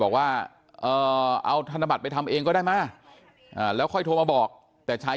บอกว่าเอาธนบัตรไปทำเองก็ได้มาแล้วค่อยโทรมาบอกแต่ชาย